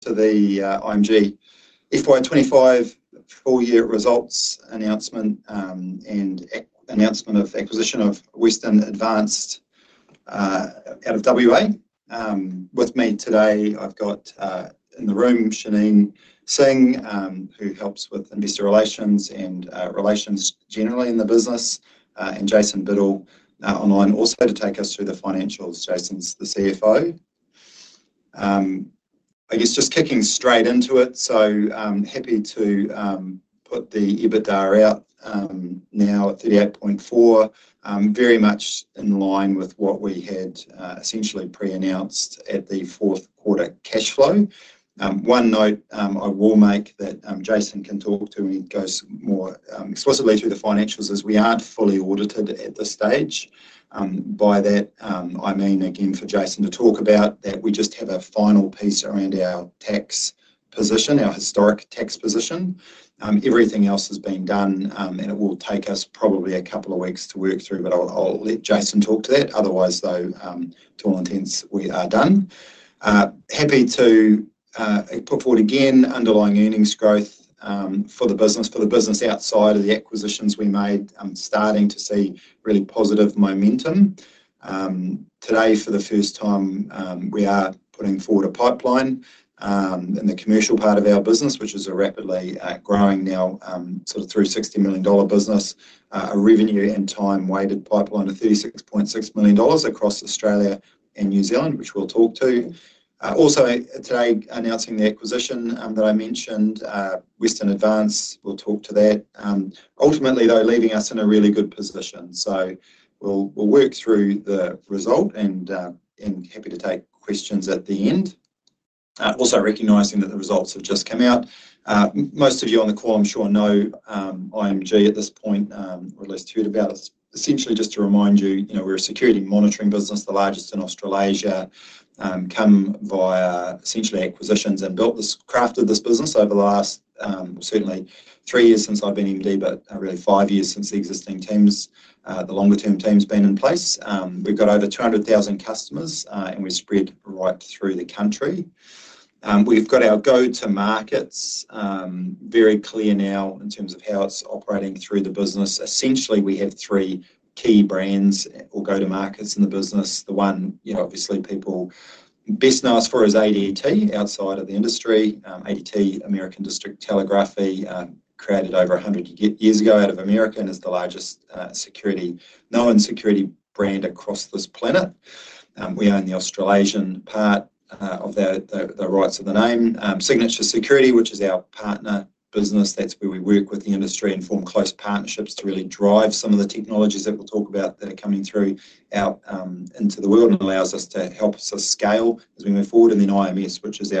Today, [FY2025] full-year results announcement, and announcement of acquisition of Western Advance [FWA]. With me today, I've got, in the room, Shenin Singh, who helps with Investor Relations and relations generally in the business, and Jason Biddell online also to take us through the financials. Jason's the CFO. I guess just kicking straight into it. Happy to put the EBITDA out, now at $38.4 million, very much in line with what we had essentially pre-announced at the fourth quarter cash flow. One note I will make that Jason can talk to when he goes more explicitly through the financials is we aren't fully audited at this stage. By that, I mean, again, for Jason to talk about that, we just have a final piece around our tax position, our historic tax position. Everything else has been done, and it will take us probably a couple of weeks to work through, but I'll let Jason talk to that. Otherwise, though, to all intents, we are done. Happy to put forward again underlying earnings growth for the business, for the business outside of the acquisitions we made. I'm starting to see really positive momentum. Today, for the first time, we are putting forward a pipeline in the commercial part of our business, which is a rapidly growing now, sort of $360 million business, a revenue and time-weighted pipeline of $36.6 million across Australia and New Zealand, which we'll talk to. Also today announcing the acquisition that I mentioned, Western Advance WA. We'll talk to that. Ultimately, though, leaving us in a really good position. We'll work through the result and happy to take questions at the end. Also recognizing that the results have just come out. Most of you on the call, I'm sure, know IMG at this point, or at least heard about us. Essentially, just to remind you, you know, we're a security monitoring business, the largest in Australasia, come by essentially acquisitions and built this, crafted this business over the last, certainly three years since I've been indeed, but really five years since the existing team's, the longer term team's been in place. We've got over 200,000 customers, and we spread right through the country. We've got our go-to markets very clear now in terms of how it's operating through the business. Essentially, we have three key brands or go-to markets in the business. The one, you know, obviously people best know us for is ADT outside of the industry. ADT, American District Telegraph, created over 100 years ago out of America and is the largest security, known security brand across this planet. We own the Australasian part of the rights of the name. Signature Security, which is our partner business, that's where we work with the industry and form close partnerships to really drive some of the technologies that we'll talk about that are coming through out into the world and allows us to help us scale as we move forward. IMS, which is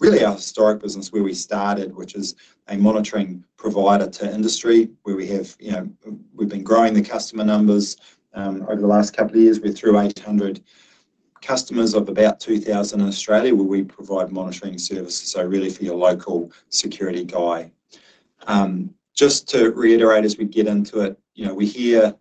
really our historic business where we started, is a monitoring provider to industry, where we have been growing the customer numbers over the last couple of years. We threw away 800 customers of about 2,000 in Australia, where we provide monitoring services, really for your local security guy. Just to reiterate as we get into it, we're here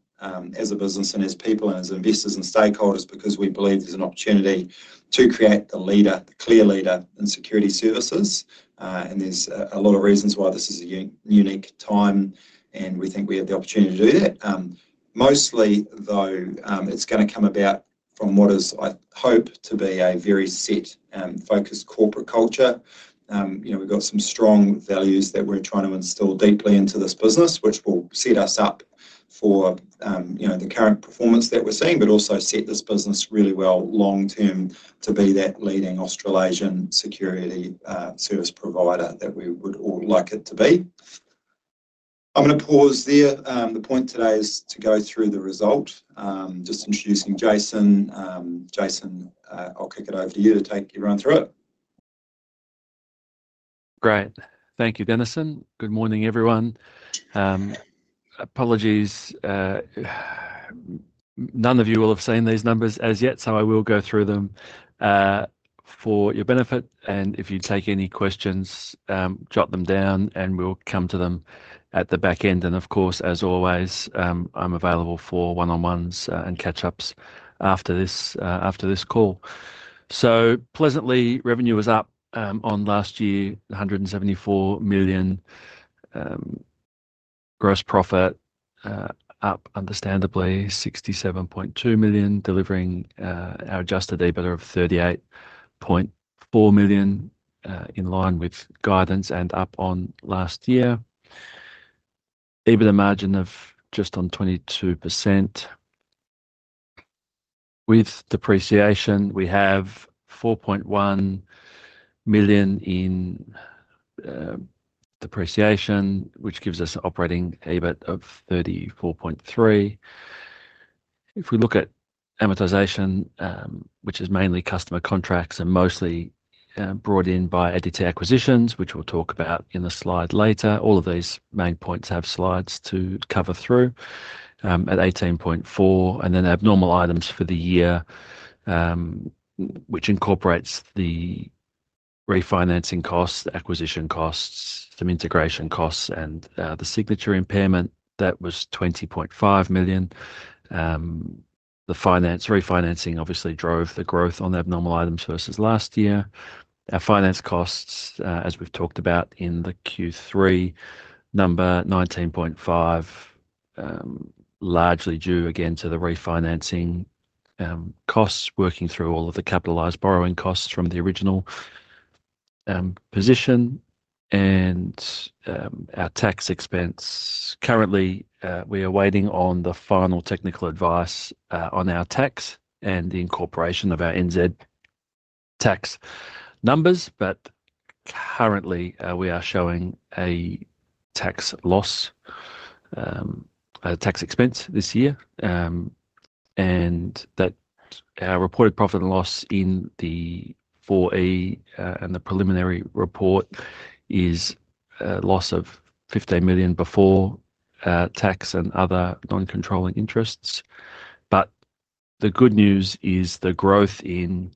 as a business and as people and as investors and stakeholders because we believe there's an opportunity to create the leader, the clear leader in security services. There are a lot of reasons why this is a unique time, and we think we have the opportunity to do that. Mostly, though, it's going to come about from what is, I hope, to be a very set and focused corporate culture. We've got some strong values that we're trying to instill deeply into this business, which will set us up for the current performance that we're seeing, but also set this business really well long term to be that leading Australasian security service provider that we would all like it to be. I'm going to pause there. The point today is to go through the result, just introducing Jason. Jason, I'll kick it over to you to take your run through it. Great. Thank you, Dennison. Good morning, everyone. Apologies. None of you will have seen these numbers as yet, so I will go through them for your benefit. If you take any questions, jot them down and we'll come to them at the back end. Of course, as always, I'm available for one-on-ones and catch-ups after this, after this call. Pleasantly, revenue was up on last year, $174 million. Gross profit, up understandably, $67.2 million, delivering our adjusted EBITDA of $38.4 million in line with guidance and up on last year. EBITDA margin of just on 22%. With depreciation, we have $4.1 million in depreciation, which gives us an operating EBIT of $34.3 million. If we look at amortization, which is mainly customer contracts and mostly brought in by ADT acquisitions, which we'll talk about in the slide later, all of these main points have slides to cover through at $18.4 million. Abnormal items for the year, which incorporates the refinancing costs, acquisition costs, some integration costs, and the Signature impairment, that was $20.5 million. The finance refinancing obviously drove the growth on the abnormal items versus last year. Our finance costs, as we've talked about in the Q3, number [$19.5 million], largely due again to the refinancing costs, working through all of the capitalized borrowing costs from the original position. Our tax expense, currently, we are waiting on the final technical advice on our tax and the incorporation of our NZ tax numbers, but currently, we are showing a tax loss, a tax expense this year. Our reported profit and loss in the [4A] and the preliminary report is a loss of $15 million before tax and other non-controlling interests. The good news is the growth in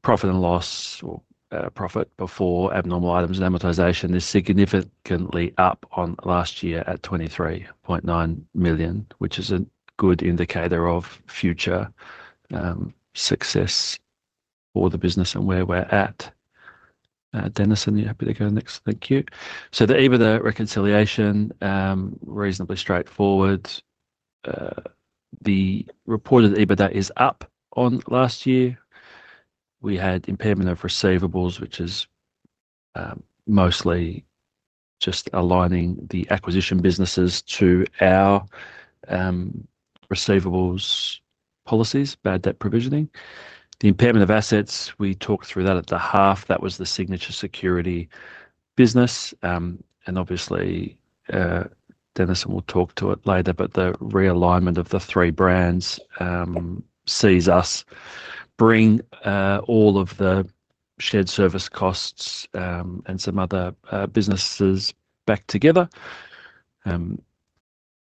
profit and loss or profit before abnormal items and amortization is significantly up on last year at $23.9 million, which is a good indicator of future success for the business and where we're at. Dennison, are you happy to go next? Thank you. The EBITDA reconciliation, reasonably straightforward. The reported EBITDA is up on last year. We had impairment of receivables, which is mostly just aligning the acquisition businesses to our receivables policies, bad debt provisioning. The impairment of assets, we talked through that at the half. That was the Signature Security business. Dennison will talk to it later, but the realignment of the three brands sees us bring all of the shared service costs and some other businesses back together.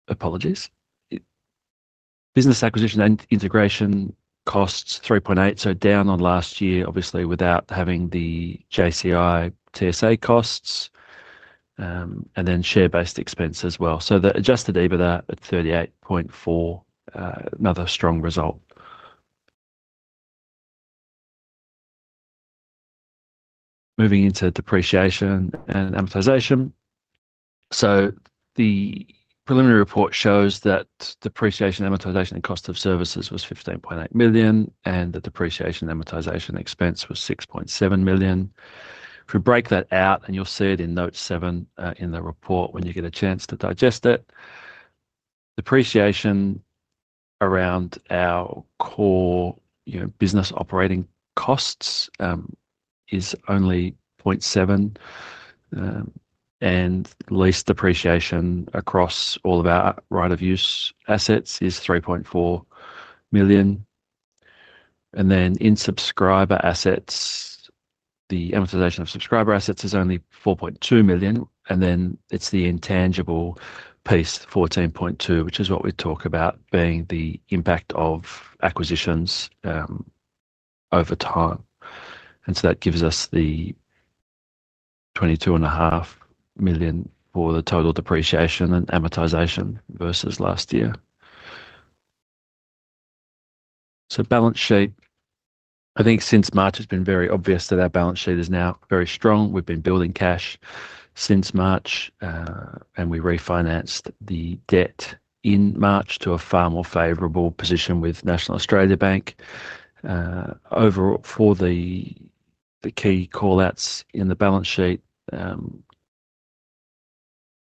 Apologies. Business acquisition and integration costs $3.8 million, so down on last year, obviously, without having the [JCI TSA] costs, and then share-based expense as well. The adjusted EBITDA at $38.4 million, another strong result. Moving into depreciation and amortization. The preliminary report shows that depreciation, amortization, and cost of services was $15.8 million, and the depreciation and amortization expense was $6.7 million. If we break that out, and you'll see it in note seven in the report when you get a chance to digest it, depreciation around our core, you know, business operating costs is only $0.7 million, and lease depreciation across all of our right of use assets is $3.4 million. In subscriber assets, the amortization of subscriber assets is only $4.2 million, and then it's the intangible piece, $14.2 million, which is what we talk about being the impact of acquisitions over time. That gives us the $22.5 million for the total depreciation and amortization versus last year. Balance sheet. I think since March, it's been very obvious that our balance sheet is now very strong. We've been building cash since March, and we refinanced the debt in March to a far more favorable position with National Australia Bank. Overall, for the key call outs in the balance sheet,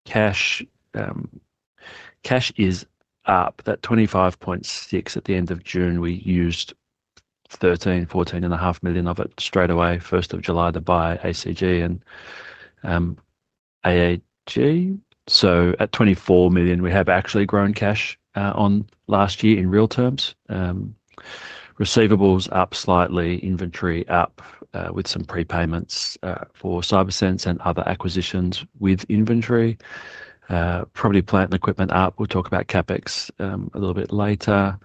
cash is up. That $25.6 million at the end of June, we used [$13 million, $14.5 million of it straight away, 1st of July to buy ACG and AAG. At $24 million, we have actually grown cash on last year in real terms. Receivables up slightly, inventory up with some prepayments for CyberSense and other acquisitions with inventory. Probably plant and equipment up. We'll talk about CapEx a little bit later.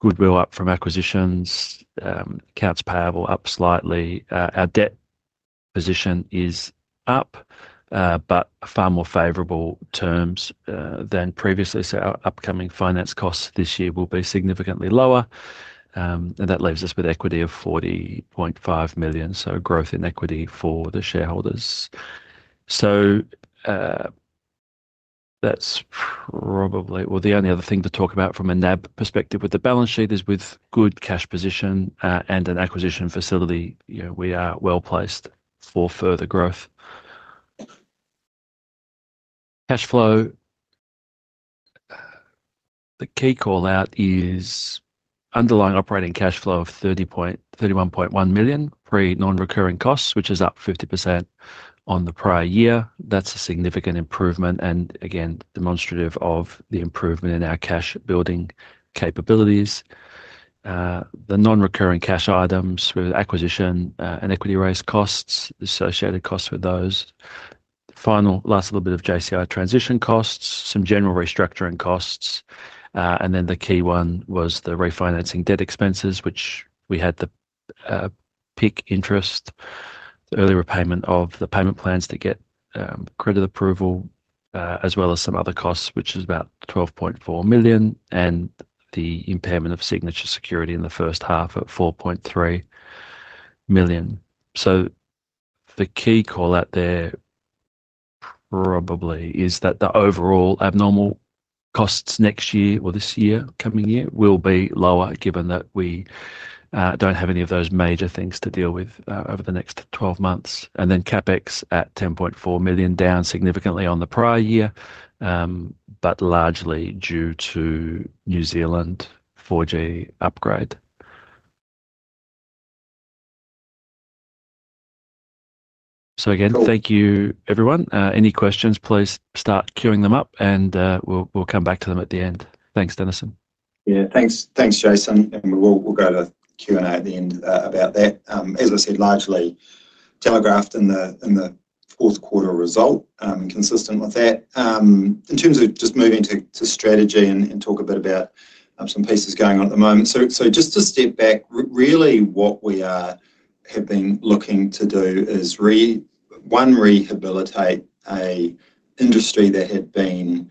Goodwill up from acquisitions. Accounts payable up slightly. Our debt position is up, but far more favorable terms than previously. Our upcoming finance costs this year will be significantly lower. That leaves us with equity of $40.5 million. Growth in equity for the shareholders. The only other thing to talk about from a NAB perspective with the balance sheet is with good cash position and an acquisition facility. We are well placed for further growth. Cash flow, the key call out is underlying operating cash flow of $31.1 million pre non-recurring costs, which is up 50% on the prior year. That's a significant improvement and again, demonstrative of the improvement in our cash building capabilities. The non-recurring cash items with acquisition and equity raised costs, associated costs with those. Final last little bit of JCI transition costs, some general restructuring costs. The key one was the refinancing debt expenses, which we had to pick interest, early repayment of the payment plans to get credit approval, as well as some other costs, which is about $12.4 million, and the impairment of Signature Security in the first half at $4.3 million. The key call out there probably is that the overall abnormal costs next year or this year, coming year, will be lower given that we don't have any of those major things to deal with over the next 12 months. CapEx at $10.4 million down significantly on the prior year, but largely due to New Zealand 4G upgrade. Again, thank you, everyone. Any questions, please start queuing them up and we'll come back to them at the end. Thanks, Dennison. Thanks, thanks Jason. We'll go to Q&A at the end about that. As I said, largely telegraphed in the fourth quarter result, consistent with that. In terms of just moving to strategy and talk a bit about some pieces going on at the moment. Just to step back, really what we have been looking to do is, one, rehabilitate an industry that had been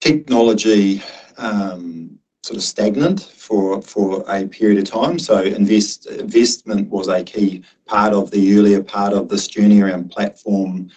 technology sort of stagnant for a period of time. Investment was a key part of the earlier part of this journey around platform,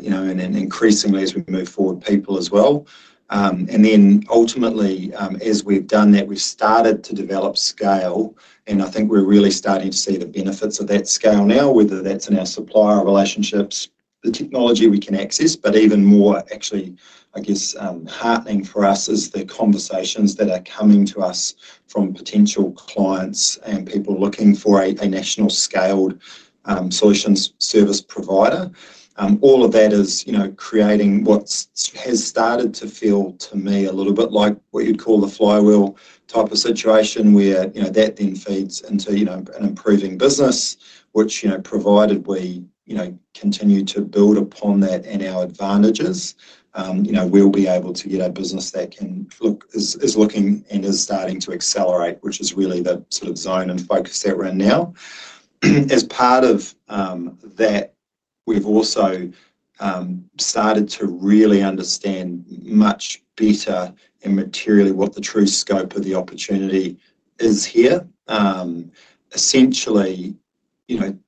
you know, and increasingly as we've moved forward, people as well. Ultimately, as we've done that, we've started to develop scale, and I think we're really starting to see the benefits of that scale now, whether that's in our supplier relationships, the technology we can access, but even more actually, I guess heartening for us is the conversations that are coming to us from potential clients and people looking for a national scaled solutions service provider. All of that is creating what has started to feel to me a little bit like what you'd call the flywheel type of situation where that then feeds into an improving business, which, provided we continue to build upon that and our advantages, we'll be able to get a business that is looking and is starting to accelerate, which is really the sort of zone and focus that we're in now. As part of that, we've also started to really understand much better and materially what the true scope of the opportunity is here. Essentially,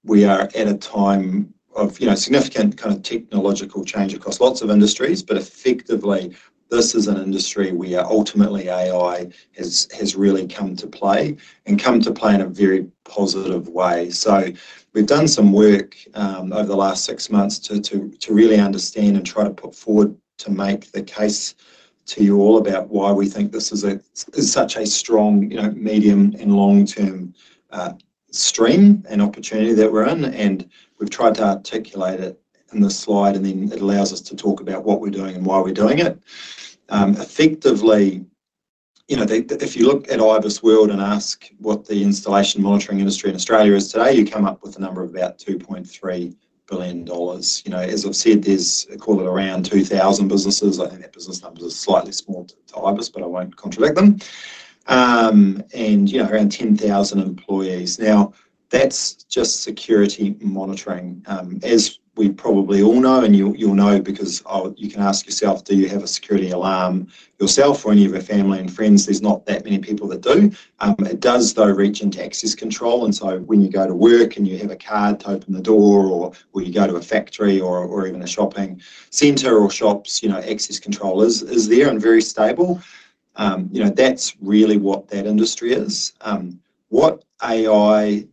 we are at a time of significant kind of technological change across lots of industries, but effectively, this is an industry where ultimately AI has really come to play and come to play in a very positive way. We've done some work over the last six months to really understand and try to put forward to make the case to you all about why we think this is such a strong medium and long-term stream and opportunity that we're in. We've tried to articulate it in the slide, and then it allows us to talk about what we're doing and why we're doing it. Effectively, if you look at IBIS World and ask what the installation monitoring industry in Australia is today, you come up with a number of about $2.3 billion. As I've said, I call it around 2,000 businesses. I think that business numbers are slightly smaller to IBIS, but I won't contradict them. There are around 10,000 employees. Now, that's just security monitoring. As we probably all know, and you'll know because you can ask yourself, do you have a security alarm yourself or any of your family and friends? There's not that many people that do. It does, though, reach into access control. When you go to work and you have a card to open the door, or when you go to a factory or even a shopping centre or shops, access control is there and very stable. That's really what that industry is. What [AIOI]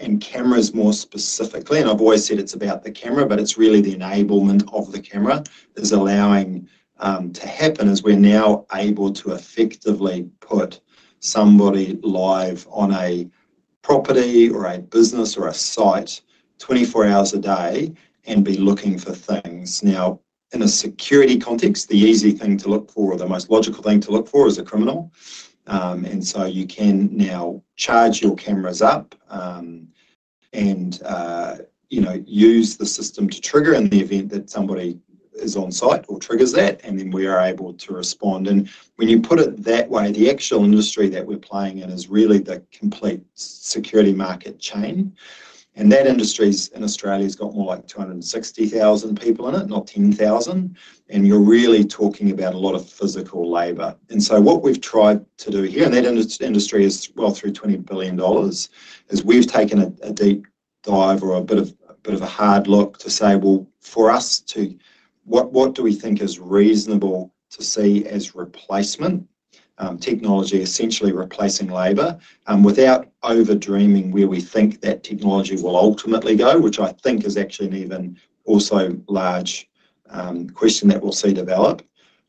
and cameras more specifically, and I've always said it's about the camera, but it's really the enablement of the camera. It is allowing to happen as we're now able to effectively put somebody live on a property or a business or a site 24 hours a day and be looking for things. In a security context, the easy thing to look for, the most logical thing to look for is a criminal. You can now charge your cameras up and use the system to trigger in the event that somebody is on site or triggers that, and then we are able to respond. When you put it that way, the actual industry that we're playing in is really the complete security market chain. That industry in Australia has got more like 260,000 people in it, not 10,000. You're really talking about a lot of physical labor. What we've tried to do here, and that industry is well through $20 billion, is we've taken a deep dive or a bit of a hard look to say, for us, what do we think is reasonable to see as replacement technology essentially replacing labor without over-dreaming where we think that technology will ultimately go, which I think is actually an even also large question that we'll see develop.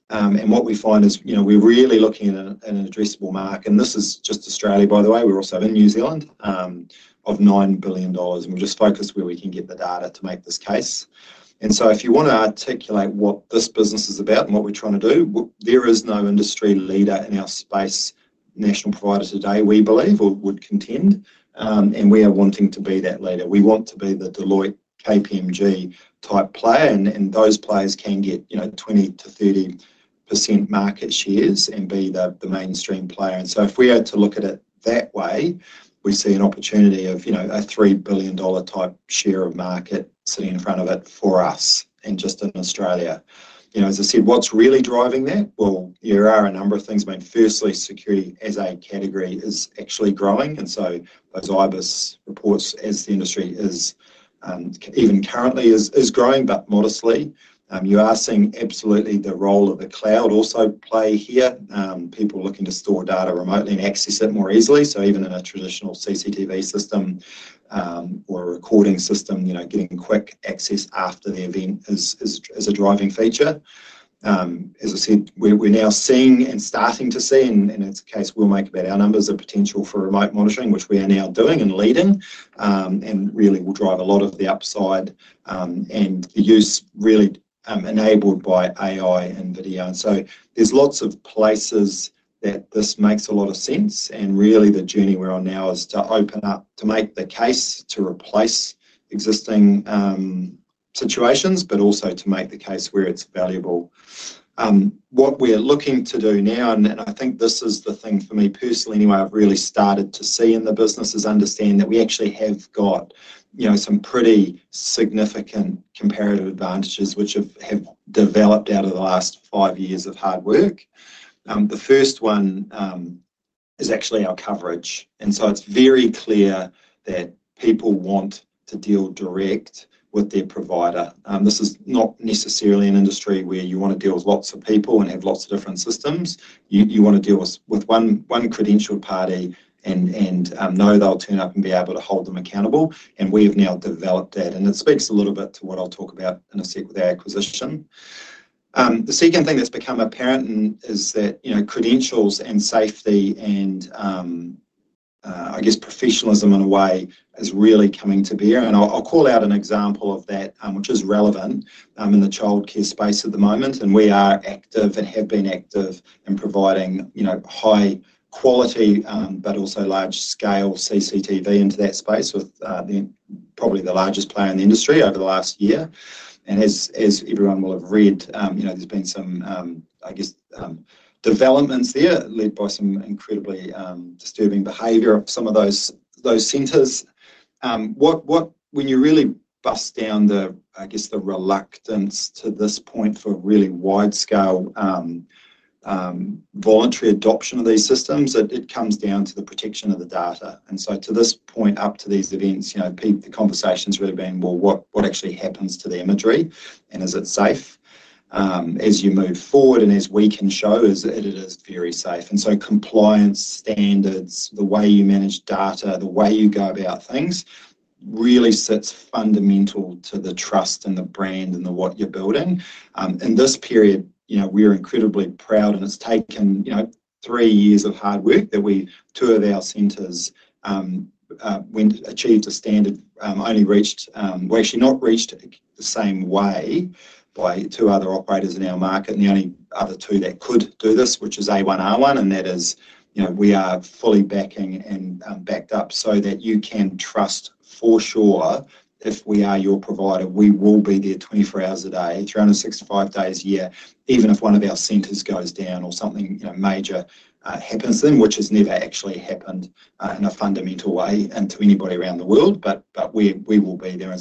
What we find is, we're really looking at an addressable market, and this is just Australia, by the way. We're also in New Zealand, of $9 billion, and we'll just focus where we can get the data to make this case. If you want to articulate what this business is about and what we're trying to do, there is no industry leader in our space, national provider today, we believe, or would contend, and we are wanting to be that leader. We want to be the Deloitte KPMG type player, and those players can get 20%-30% market shares and be the mainstream player. If we are to look at it that way, we see an opportunity of, you know, a $3 billion type share of market sitting in front of it for us just in Australia. As I said, what's really driving that? There are a number of things. Firstly, security as a category is actually growing. I've seen IBIS reports as the industry is even currently growing, but modestly. You are seeing absolutely the role of the cloud also play here. People are looking to store data remotely and access it more easily. Even in a traditional CCTV system or a recording system, getting quick access after the event is a driving feature. As I said, we're now seeing and starting to see, and in its case, we'll make about our numbers of potential for remote monitoring, which we are now doing and leading, and really will drive a lot of the upside and the use really enabled by [AIOI] and video. There are lots of places that this makes a lot of sense. The journey we're on now is to open up, to make the case, to replace existing situations, but also to make the case where it's valuable. What we're looking to do now, and I think this is the thing for me personally anyway, I've really started to see in the business is understand that we actually have got, you know, some pretty significant comparative advantages, which have developed out of the last five years of hard work. The first one is actually our coverage. It's very clear that people want to deal direct with their provider. This is not necessarily an industry where you want to deal with lots of people and have lots of different systems. You want to deal with one credentialed party and know they'll turn up and be able to hold them accountable. We have now developed that. It speaks a little bit to what I'll talk about in a sec with our acquisition. The second thing that's become apparent is that credentials and safety and, I guess, professionalism in a way is really coming to bear. I'll call out an example of that, which is relevant in the childcare space at the moment. We are active and have been active in providing high quality, but also large scale CCTV into that space with probably the largest player in the industry over the last year. As everyone will have read, there's been some, I guess, developments there led by some incredibly disturbing behavior of some of those centers. When you really bust down the, I guess, the reluctance to this point for really wide scale voluntary adoption of these systems, it comes down to the protection of the data. To this point, up to these events, I think the conversation's really been, what actually happens to the imagery and is it safe? As you move forward and as we can show, it is very safe. Compliance standards, the way you manage data, the way you go about things really sits fundamental to the trust and the brand and what you're building. In this period, we're incredibly proud and it's taken three years of hard work that we, two of our centers, achieved a standard only reached, not reached the same way by two other operators in our market and the only other two that could do this, which is A1R1, and that is, we are fully backing and backed up so that you can trust for sure if we are your provider, we will be there 24 hours a day, 365 days a year, even if one of our centers goes down or something major happens to them, which has never actually happened in a fundamental way to anybody around the world, but we will be there.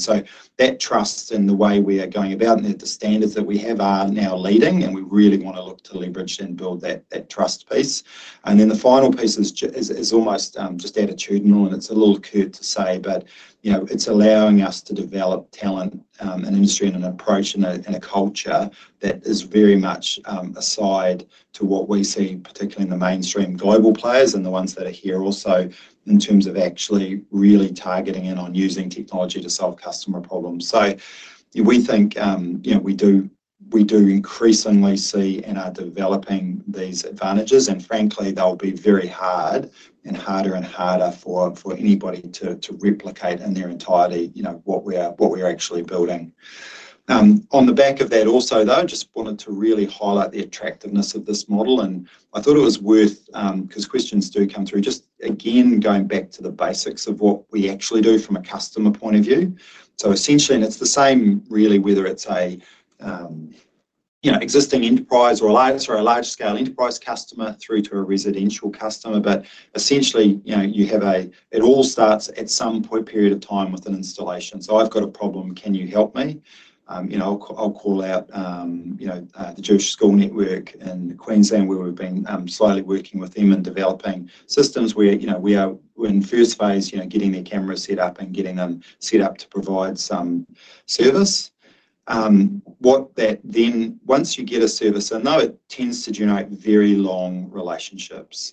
That trust and the way we are going about and the standards that we have are now leading and we really want to look to leverage and build that trust piece. The final piece is almost just attitudinal and it's a little cute to say, but it's allowing us to develop talent and industry and an approach and a culture that is very much aside to what we see, particularly in the mainstream global players and the ones that are here also in terms of actually really targeting in on using technology to solve customer problems. We think we do increasingly see in our developing these advantages and frankly, they'll be very hard and harder and harder for anybody to replicate in their entirety, what we are actually building. On the back of that also, I just wanted to really highlight the attractiveness of this model and I thought it was worth, because questions do come through, just again going back to the basics of what we actually do from a customer point of view. Essentially, and it's the same really whether it's an existing enterprise or a large scale enterprise customer through to a residential customer, but essentially, you have a, it all starts at some point period of time with an installation. I've got a problem, can you help me? I'll call out the Jewish School Network in Queensland where we've been slightly working with them in developing systems where we are in first phase, getting their cameras set up and getting them set up to provide some service. What that then, once you get a service, I know it tends to generate very long relationships.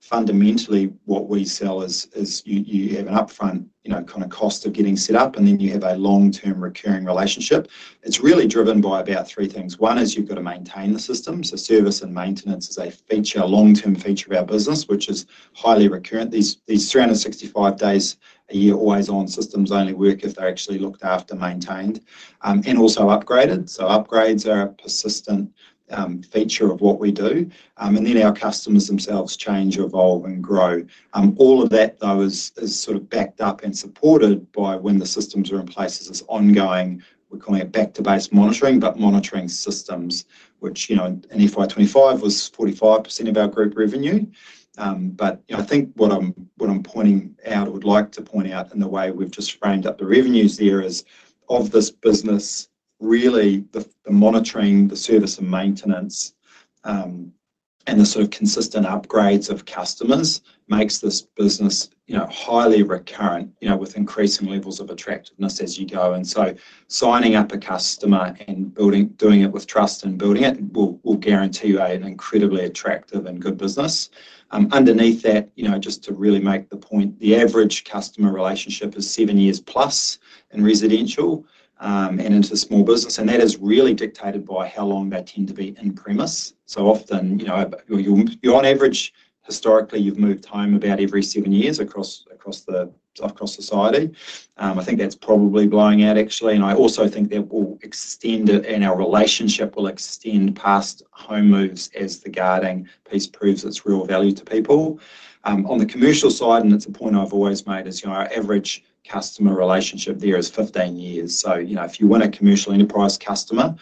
Fundamentally, what we sell is you have an upfront kind of cost of getting set up and then you have a long-term recurring relationship. It's really driven by about three things. One is you've got to maintain the system. Service and maintenance is a feature, a long-term feature of our business, which is highly recurrent. These 365 days a year always-on systems only work if they're actually looked after, maintained, and also upgraded. Upgrades are a persistent feature of what we do. Our customers themselves change, evolve, and grow. All of that, though, is sort of backed up and supported by when the systems are in place, this is ongoing, we're calling it back-to-base monitoring, but monitoring systems, which in FY2025 was 45% of our group revenue. I think what I'm pointing out, I would like to point out in the way we've just framed up the revenues here is of this business, really the monitoring, the service and maintenance, and the sort of consistent upgrades of customers makes this business highly recurrent, with increasing levels of attractiveness as you go. Signing up a customer and building, doing it with trust and building it will guarantee an incredibly attractive and good business. Underneath that, just to really make the point, the average customer relationship is seven years plus in residential and into small business. That is really dictated by how long they tend to be in premise. Often, on average, historically, you've moved time about every seven years across society. I think that's probably blowing out actually. I also think that will extend it and our relationship will extend past home moves as the garden piece proves its real value to people. On the commercial side, and it's a point I've always made, our average customer relationship there is 15 years. If you want a commercial enterprise customer,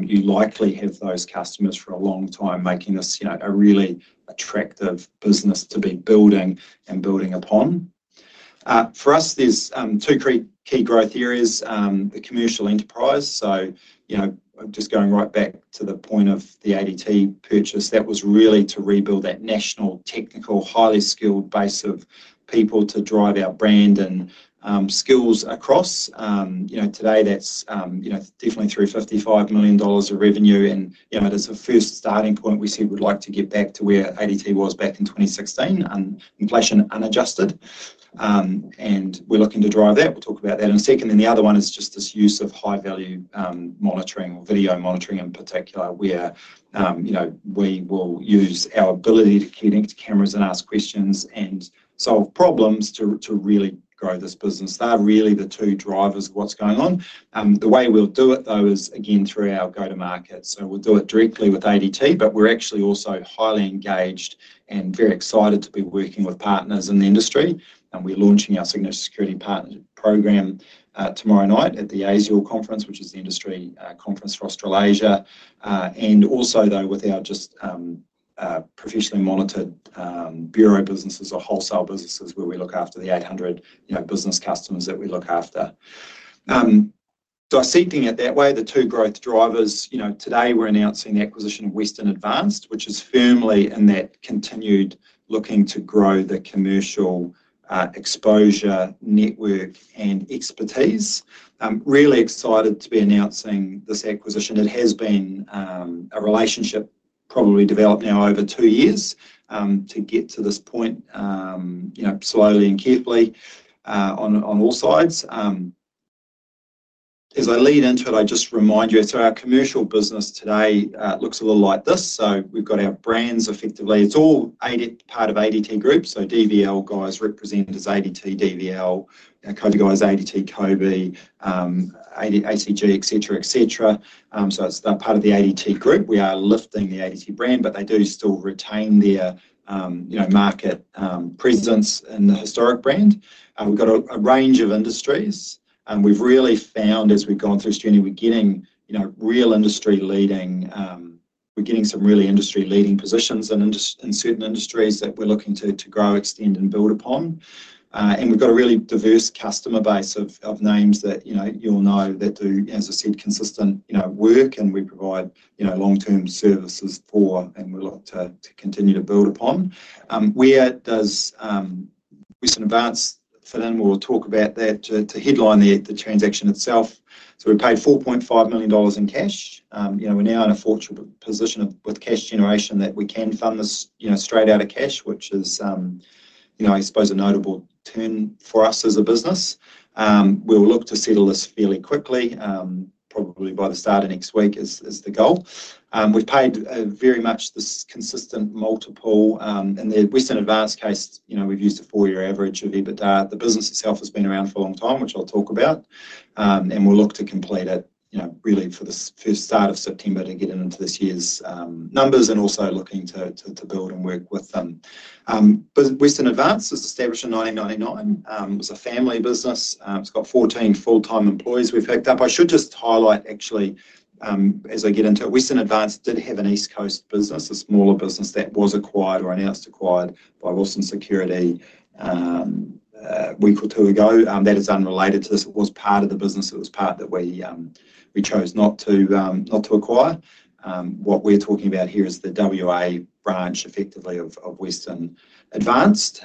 you likely have those customers for a long time, making us a really attractive business to be building and building upon. For us, there are two key growth areas, the commercial enterprise. Just going right back to the point of the ADT purchase, that was really to rebuild that national technical, highly skilled base of people to drive our brand and skills across. Today, that's definitely $355 million of revenue. It is a first starting point. We said we'd like to get back to where ADT was back in 2016 on inflation unadjusted, and we're looking to drive that. We'll talk about that in a second. The other one is just this use of high-value monitoring or video monitoring in particular, where we will use our ability to connect cameras and ask questions and solve problems to really grow this business. They're really the two drivers of what's going on. The way we'll do it though is again through our go-to-market. We'll do it directly with ADT, but we're actually also highly engaged and very excited to be working with partners in the industry. We're launching our Signal Security partnership program tomorrow night at the A SIAL conference, which is the industry conference for Australasia. Also, with our just professionally monitored bureau businesses or wholesale businesses where we look after the 800 business customers that we look after. I'm seeing it that way, the two growth drivers. Today, we're announcing the acquisition of Western Advance, which is firmly in that continued looking to grow the commercial exposure network and expertise. Really excited to be announcing this acquisition. It has been a relationship probably developed now over two years to get to this point, slowly and carefully on all sides. As I lead into it, I just remind you, our commercial business today looks a little like this. We've got our brands effectively. It's all part of the ADT group. DVL guys represented as ADT DVL, Kobe guys ADT Kobe, ACG, etc., etc. It's part of the ADT group. We are lifting the ADT brand, but they do still retain their market presence in the historic brand. We've got a range of industries. We've really found as we've gone through this journey, we're getting real industry leading. We're getting some really industry-leading positions in certain industries that we're looking to grow, extend, and build upon. We've got a really diverse customer base of names that you'll know that do, as I said, consistent work, and we provide long-term services for and we look to continue to build upon. Where does Western Advance fit in? We'll talk about that to headline the transaction itself. We paid $4.5 million in cash. We're now in a fortunate position with cash generation that we can fund this straight out of cash, which is, I suppose, a notable turn for us as a business. We'll look to settle this fairly quickly, probably by the start of next week is the goal. We've paid very much this consistent multiple in the Western Advance case. We've used a four-year average of EBITDA. The business itself has been around for a long time, which I'll talk about. We'll look to complete it really for the first start of September to get it into this year's numbers and also looking to build and work with them. Western Advance was established in 1999. It was a family business. It's got 14 full-time employees we've picked up. I should just highlight actually, as I get into it, Western Advance did have an East Coast business, a smaller business that was acquired or announced acquired by Wilson Security a week or two ago. That is unrelated to this. It was part of the business. It was part that we chose not to acquire. What we're talking about here is the WA branch effectively of Western Advance,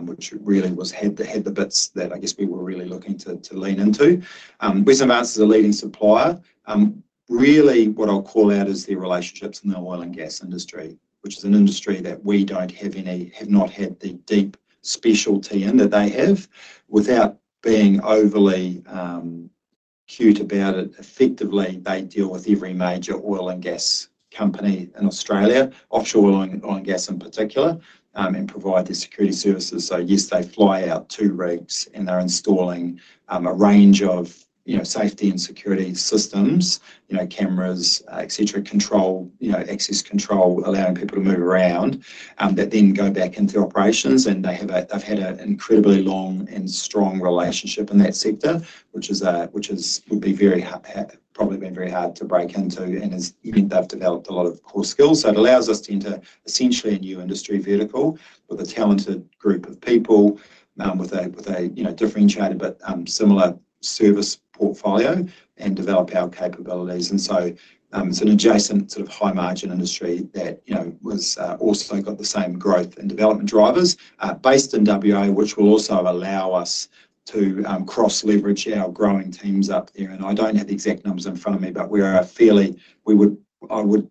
which really had the bits that I guess we were really looking to lean into. Western Advance is a leading supplier. Really what I'll call out is their relationships in the oil and gas industry, which is an industry that we don't have any, have not had the deep specialty in that they have. Without being overly cute about it, effectively they deal with every major oil and gas company in Australia, offshore oil and gas in particular, and provide their security services. Yes, they fly out to rigs and they're installing a range of safety and security systems, cameras, etc., control, access control, allowing people to move around that then go back into operations. They've had an incredibly long and strong relationship in that sector, which would be very hard, probably been very hard to break into and has developed a lot of core skills. It allows us to enter essentially a new industry vertical with a talented group of people with a differentiated but similar service portfolio and develop our capabilities. It is an adjacent sort of high margin industry that was also got the same growth and development drivers based in WA, which will also allow us to cross leverage our growing teams up here. I don't have the exact numbers in front of me, but we are a fairly, I would,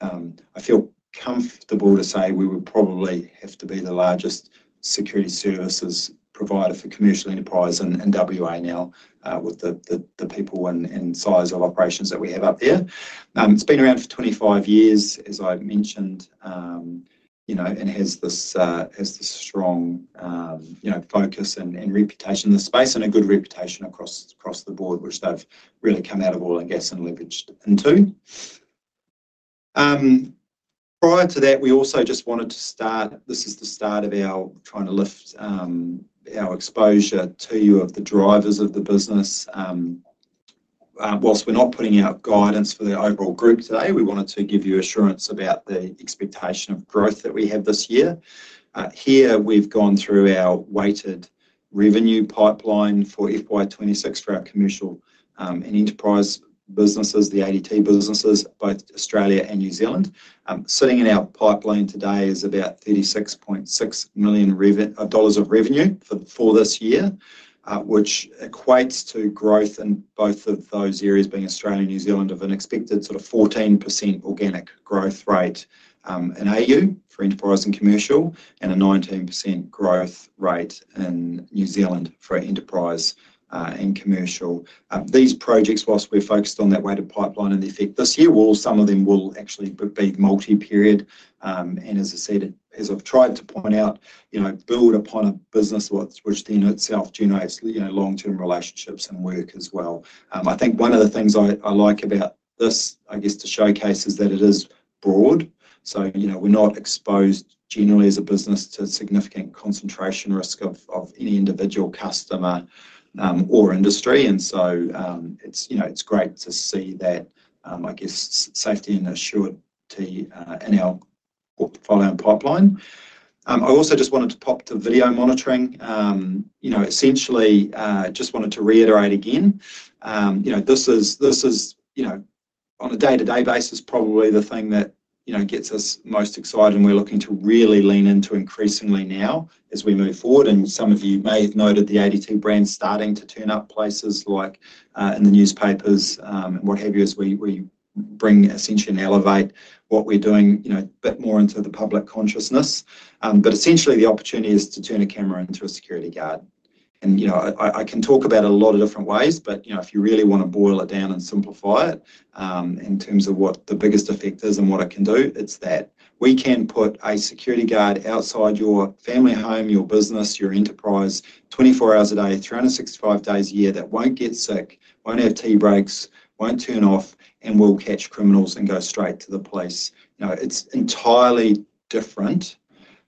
I feel comfortable to say we would probably have to be the largest security services provider for commercial enterprise in WA now with the people and size of operations that we have up here. It's been around for 25 years, as I mentioned, and has this strong focus and reputation in the space and a good reputation across the board, which they've really come out of oil and gas and leveraged into. Prior to that, we also just wanted to start, this is the start of our trying to lift our exposure to you of the drivers of the business. Whilst we're not putting out guidance for the overall group today, we wanted to give you assurance about the expectation of growth that we have t his year. Here, we've gone through our weighted revenue pipeline for FY2026 for our commercial and enterprise businesses, the ADT businesses at both Australia and New Zealand. Sitting in our pipeline today is about $36.6 million of revenue for this year, which equates to growth in both of those areas, being Australia and New Zealand, of an expected sort of 14% organic growth rate in [Australia] for enterprise and commercial and a 19% growth rate in New Zealand for enterprise and commercial. These projects, whilst we're focused on that weighted pipeline in the effect this year, some of them will actually be multi-period. As I said, as I've tried to point out, build upon a business which then itself generates long term relationships and work as well. I think one of the things I like about this, I guess, to showcase is that it is broad. We're not exposed generally as a business to significant concentration risk of any individual customer or industry. It's great to see that, I guess, safety and assured T in our portfolio pipeline. I also just wanted to pop the video monitoring. Essentially, I just wanted to reiterate again, this is, you know, on a day-to-day basis, probably the thing that gets us most excited and we're looking to really lean into increasingly now as we move forward. Some of you may have noted the ADT brand starting to turn up places like in the newspapers and what have you, as we bring essentially and elevate what we're doing a bit more into the public consciousness. Essentially, the opportunity is to turn a camera into a security guard. I can talk about it a lot of different ways, but if you really want to boil it down and simplify it in terms of what the biggest effect is and what it can do, it's that we can put a security guard outside your family home, your business, your enterprise, 24 hours a day, 365 days a year that won't get sick, won't have tea breaks, won't turn off, and will catch criminals and go straight to the police. It's entirely different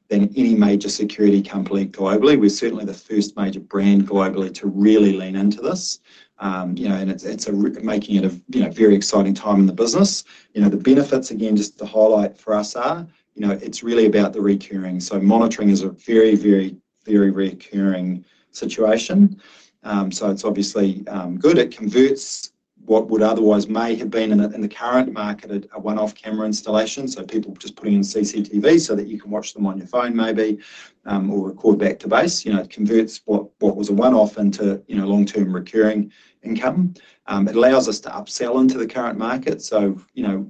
than any major security company globally. We're certainly the first major brand globally to really lean into this, and it's making it a very exciting time in the business. The benefits, again, just to highlight for us are, it's really about the recurring. Monitoring is a very, very, very recurring situation, so it's obviously good. It converts what would otherwise may have been in the current market, a one-off camera installation. People just put in CCTV so that you can watch them on your phone maybe or record back to base. It converts what was a one-off into long-term recurring income. It allows us to upsell into the current market.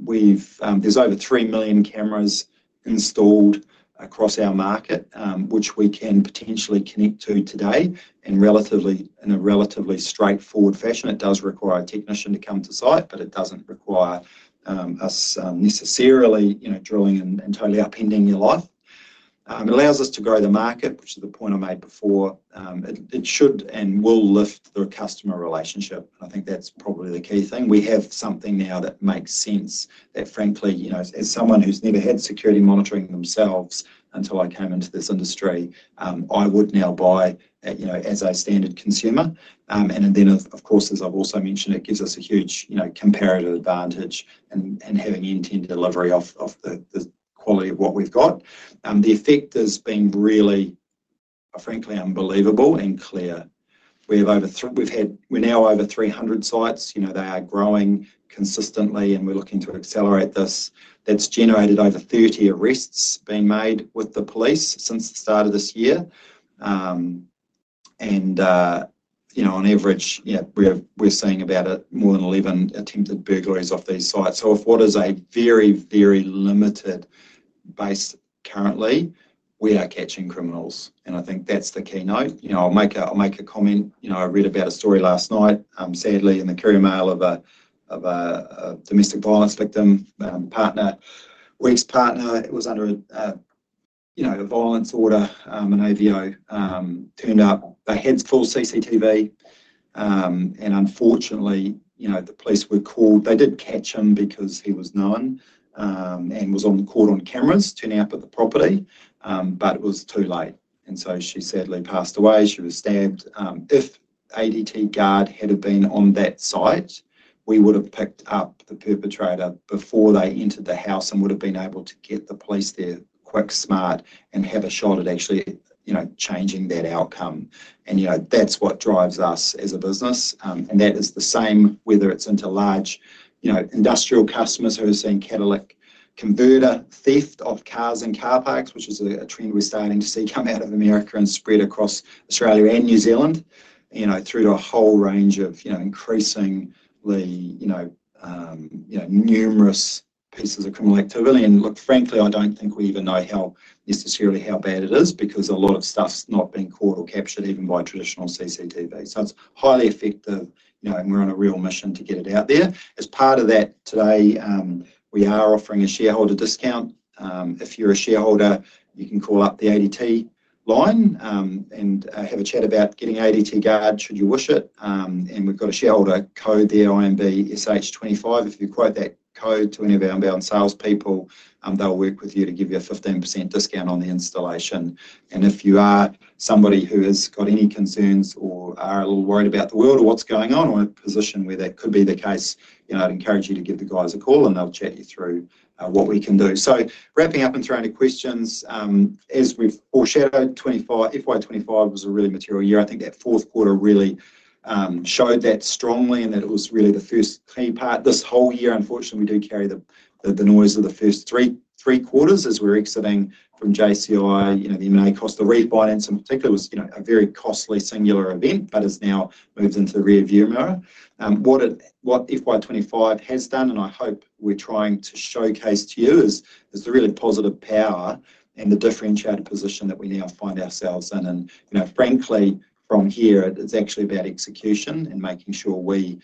We've, there's over three million cameras installed across our market, which we can potentially connect to today in a relatively straightforward fashion. It does require a technician to come to site, but it doesn't require us necessarily drilling and totally upending your life. It allows us to grow the market, which is the point I made before. It should and will lift the customer relationship. I think that's probably the key thing. We have something now that makes sense that frankly, as someone who's never had security monitoring themselves until I came into this industry, I would now buy as a standard consumer. Of course, as I've also mentioned, it gives us a huge comparative advantage in having end-to-end delivery of the quality of what we've got. The effect has been really, frankly unbelievable and clear. We're now over 300 sites. They are growing consistently and we're looking to accelerate this. It's generated over 30 arrests being made with the police since the start of this year. On average, we're seeing about more than 11 attempted burglaries off these sites. If what is a very, very limited base currently, we are catching criminals. I think that's the key note. I'll make a comment. I read about a story last night, sadly, in The Courier Mail of a domestic violence victim, partner, ex-partner, it was under a violence order, an AVO, turned up. They had full CCTV and unfortunately, the police were called. They didn't catch him because he was known and was caught on cameras to now put the property, but it was too late. She sadly passed away. She was stabbed. If ADT guard had been on that site, we would have picked up the perpetrator before they entered the house and would have been able to get the police there quick, smart, and have a shot at actually changing that outcome. That's what drives us as a business. That is the same whether it's into large industrial customers who are seeing catalytic converter theft of cars and car parks, which is a trend we're starting to see come out of America and spread across Australia and New Zealand, through to a whole range of increasingly numerous pieces of criminal activity. Frankly, I don't think we even know necessarily how bad it is because a lot of stuff's not being caught or captured even by traditional CCTV. It's highly effective, and we're on a real mission to get it out there. As part of that today, we are offering a shareholder discount. If you're a shareholder, you can call up the ADT line and have a chat about getting ADT guard should you wish it. We've got a shareholder code there, IMBSH25. If you quote that code to any of our inbound salespeople, they'll work with you to give you a 15% discount on the installation. If you are somebody who has got any concerns or are a little worried about the world or what's going on or a position where that could be the case, I'd encourage you to give the guys a call and they'll chat you through what we can do. Wrapping up and throwing any questions, as we've all shared about FY2025, it was a really material year. I think that fourth quarter really showed that strongly and it was really the first key part this whole year. Unfortunately, we do carry the noise of the first three quarters as we're exiting from JCOI. The M&A cost of refinance in particular was a very costly singular event, but has now moved into the rearview mirror. What FY2025 has done, and I hope we're trying to showcase to you, is the really positive power and the differentiated position that we now find ourselves in. Frankly, from here, it's actually about execution and making sure we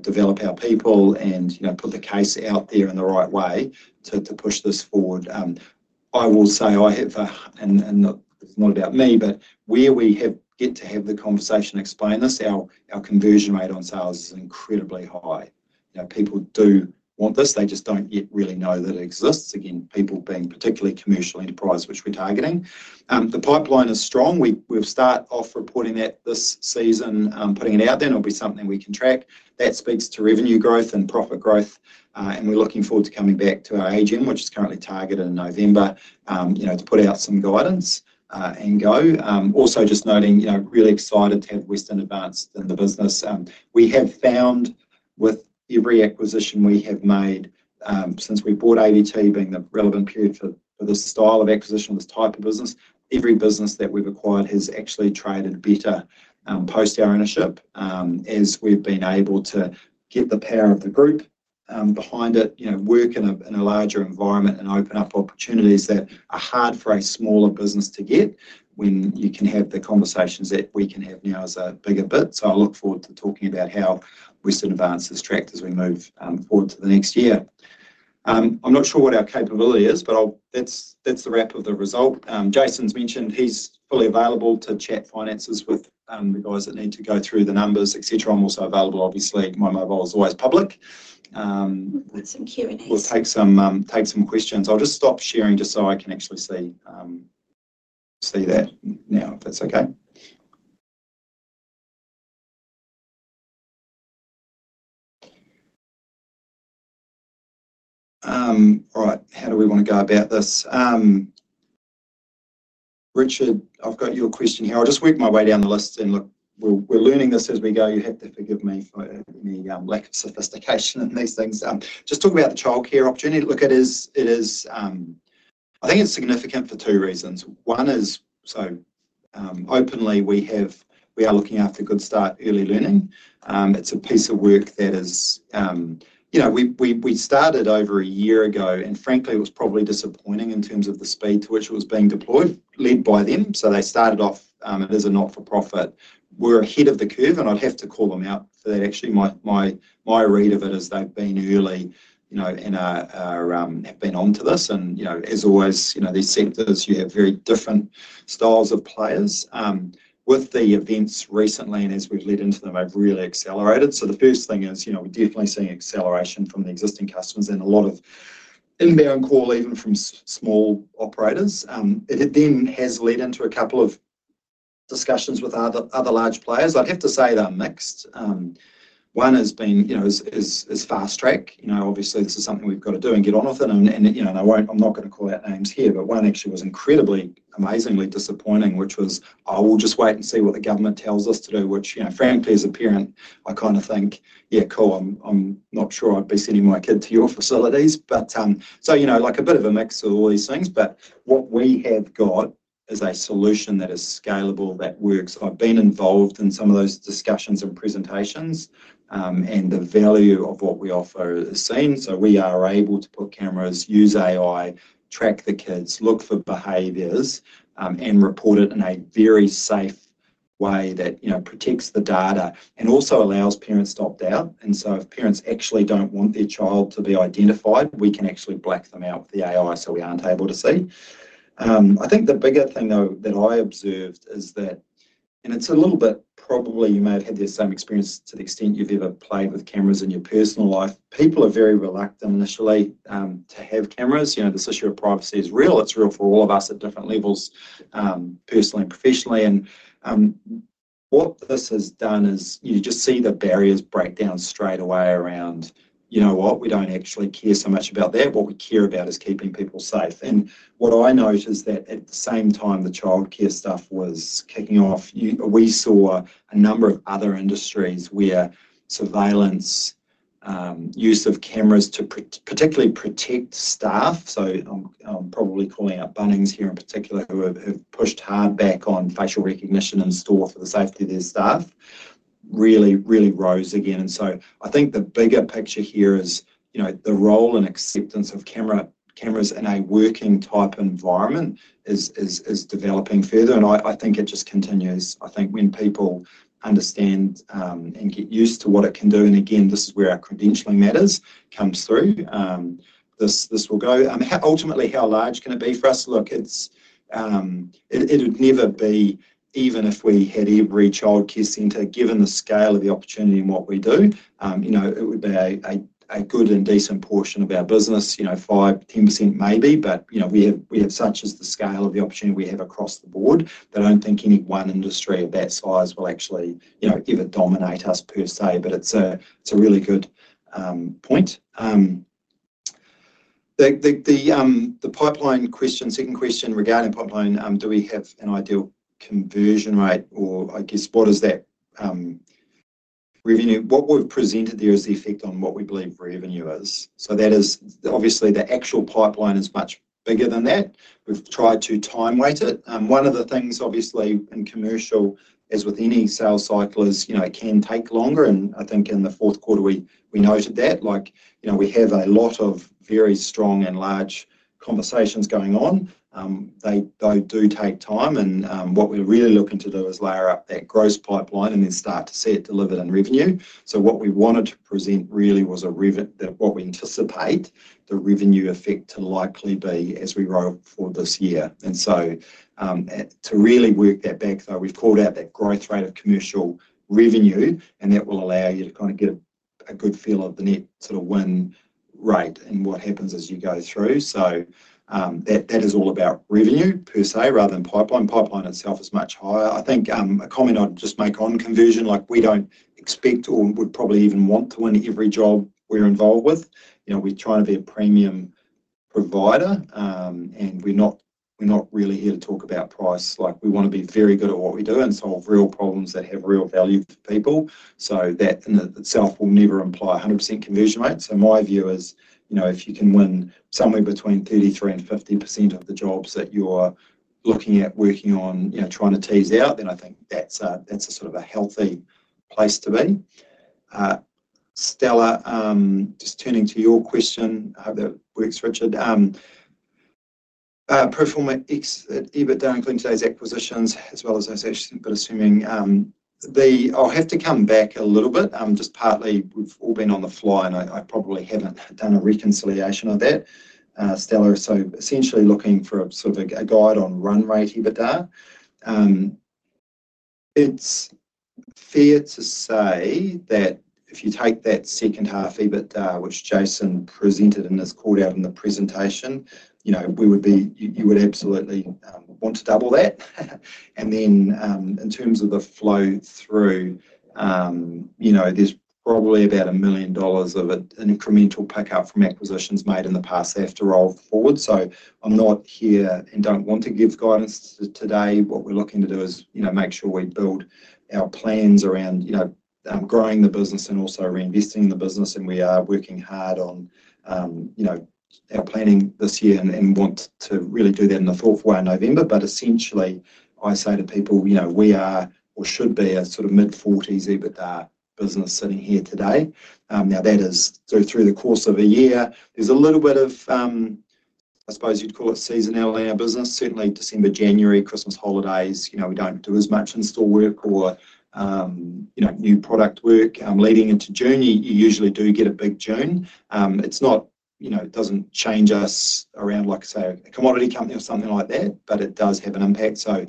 develop our people and put the case out there in the right way to push this forward. I will say I have, and it's not about me, but where we have yet to have the conversation explain this, our conversion rate on sales is incredibly high. People do want this. They just don't yet really know that it exists. Again, people being particularly commercial enterprise, which we're targeting. The pipeline is strong. We'll start off reporting that this season, putting it out there, and it'll be something we can track. That speaks to revenue growth and profit growth. We're looking forward to coming back to our AGM, which is currently targeted in November, to put out some guidance and go. Also, just noting, really excited to have Western Advance in the business. We have found with every acquisition we have made since we bought ADT, being the relevant period for this style of acquisition, this type of business, every business that we've acquired has actually traded better post-ownership as we've been able to get the power of the group behind it, work in a larger environment and open up opportunities that are hard for a smaller business to get when you can have the conversations that we can have now as a bigger bit. I look forward to talking about how Western Advance is tracked as we move forward to the next year. I'm not sure what our capability is, but it's the wrap of the result. Jason's mentioned he's fully available to chat finances with the guys that need to go through the numbers, etc. I'm also available, obviously. My mobile is always public. We'll have some Q&A. We'll take some questions. I'll just stop sharing so I can actually see that now, if that's okay. All right. How do we want to go about this? Richard, I've got your question here. I'll just work my way down the list and look, we're learning this as we go. You have to forgive me for any lack of sophistication in these things. Just talking about the childcare opportunity to look at it, I think it's significant for two reasons. One is, so openly, we are looking after Goodstart Early Learning. It's a piece of work that is, you know, we started over a year ago, and frankly, it was probably disappointing in terms of the speed to which it was being deployed, led by them. They started off as a not-for-profit. We're ahead of the curve, and I'd have to call them out. My read of it is they've been early, you know, and have been onto this. As always, these centers, you have very different styles of players. With the events recently, and as we've led into them, I've really accelerated. The first thing is, we're definitely seeing acceleration from the existing customers and a lot of inbound call, even from small operators. It then has led into a couple of discussions with other large players. I'd have to say they're mixed. One has been, you know, is fast track. Obviously, this is something we've got to do and get on with it. I'm not going to call out names here, but one actually was incredibly, amazingly disappointing, which was, I will just wait and see what the government tells us to do, which, frankly, as a parent, I kind of think, yeah, cool. I'm not sure I'd be sending my kid to your facilities. Like a bit of a mix of all these things. What we have got is a solution that is scalable, that works. I've been involved in some of those discussions and presentations, and the value of what we offer is seen. We are able to put cameras, use [AIOI], track the kids, look for behaviors, and report it in a very safe way that protects the data and also allows parents to opt out. If parents actually don't want their child to be identified, we can actually black them out with the [AIOI] so we aren't able to see. I think the bigger thing though that I observed is that, and it's a little bit probably you may have had the same experience to the extent you've ever played with cameras in your personal life. People are very reluctant initially to have cameras. This issue of privacy is real. It's real for all of us at different levels, personally and professionally. What this has done is you just see the barriers break down straight away around, you know what, we don't actually care so much about that. What we care about is keeping people safe. What I noticed is that at the same time, the childcare stuff was kicking off. We saw a number of other industries where surveillance, use of cameras to particularly protect staff. I'm probably calling out Bunnings here in particular who have pushed hard back on facial recognition and store for the safety of their staff really, really rose again. I think the bigger picture here is, you know, the role and acceptance of cameras in a working type environment is developing further. I think it just continues. I think when people understand and get used to what it can do, and again, this is where our credentialing matters comes through, this will go. Ultimately, how large can it be for us to look? It would never be even if we had every childcare centre, given the scale of the opportunity and what we do. It would be a good and decent portion of our business, you know, 5%, 10% maybe, but we have such as the scale of the opportunity we have across the board that I don't think any one industry of that size will actually ever dominate us per se. It's a really good point. The pipeline question, second question regarding the pipeline, do we have an ideal conversion rate or I guess what is that revenue? What we've presented there is the effect on what we believe revenue is. That is obviously the actual pipeline is much bigger than that. We've tried to time weight it. One of the things obviously in commercial, as with any sales cycle, is it can take longer. I think in the fourth quarter we noted that, like, we have a lot of very strong and large conversations going on. They do take time. What we're really looking to do is layer up that gross pipeline and then start to see it delivered in revenue. What we wanted to present really was a revenue that what we anticipate the revenue effect to likely be as we roll for this year. To really work that back, though, we've called out that growth rate of commercial revenue, and that will allow you to kind of get a good feel of the net sort of win rate and what happens as you go through. That is all about revenue per se rather than pipeline. Pipeline itself is much higher. I think a comment I'd just make on conversion, like we don't expect or would probably even want to win every job we're involved with. We try to be a premium provider and we're not really here to talk about price. We want to be very good at what we do and solve real problems that have real value to people. That in itself will never imply a 100% conversion rate. My view is, if you can win somewhere between 33% and 50% of the jobs that you're looking at working on, trying to tease out, then I think that's a sort of a healthy place to be. Stella, just turning to your question. I hope that works, Richard. Performance at EBITDA including today's acquisitions as well as I said, but assuming the, I'll have to come back a little bit, just partly we've all been on the fly and I probably haven't done a reconciliation of that. Stella, so essentially looking for a sort of a guide on run rate EBITDA. It's fair to say that if you take that second half EBITDA, which Jason presented and has called out in the presentation, we would be, you would absolutely want to double that. In terms of the flow through, there's probably about $1 million of an incremental pickup from acquisitions made in the past after all forward. I'm not here and don't want to give guidance today. What we're looking to do is make sure we build our plans around growing the business and also reinvesting the business. We are working hard on our planning this year and want to really do that in the fourth one in November. Essentially, I say to people, we are or should be a sort of mid-40s EBITDA business sitting here today. That is through the course of a year. There's a little bit of, I suppose you'd call it seasonal in our business. Certainly December, January, Christmas holidays, we don't do as much in-store work or new product work leading into June. You usually do get a big June. It doesn't change us around, like I say, a commodity company or something like that, but it does have an impact. I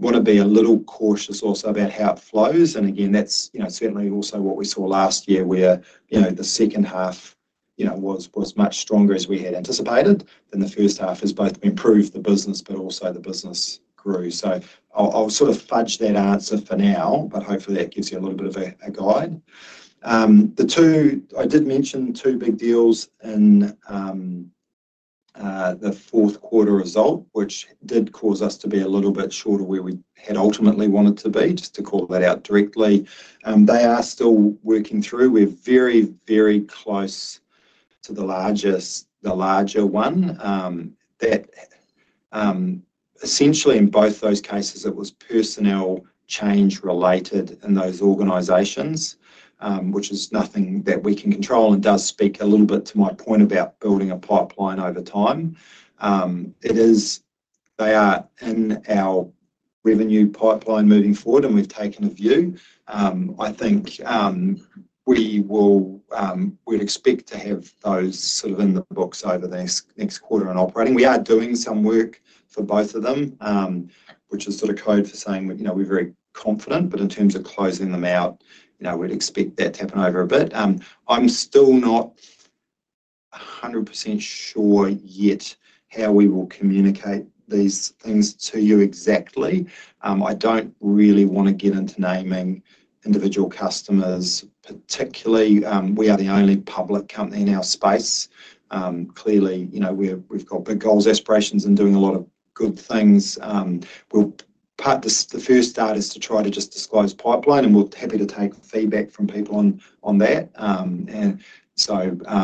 want to be a little cautious also about how it flows. Again, that's certainly also what we saw last year where the second half was much stronger as we had anticipated. The first half has both improved the business, but also the business grew. I'll sort of fudge that answer for now, but hopefully that gives you a little bit of a guide. I did mention two big deals in the fourth quarter result, which did cause us to be a little bit shorter where we had ultimately wanted to be, just to call that out directly. They are still working through. We're very, very close to the larger one. Essentially, in both those cases, it was personnel change related in those organizations, which is nothing that we can control. It does speak a little bit to my point about building a pipeline over time. They are in our revenue pipeline moving forward and we've taken a view. I think we will, we'd expect to have those sort of in the books over the next quarter on operating. We are doing some work for both of them, which is sort of code for saying we're very confident, but in terms of closing them out, we'd expect that to happen over a bit. I'm still not 100% sure yet how we will communicate these things to you exactly. I don't really want to get into naming individual customers, particularly as we are the only public company in our space. Clearly, we've got goals, aspirations, and doing a lot of good things. The first start is to try to just disclose pipeline and we'll be happy to take feedback from people on that.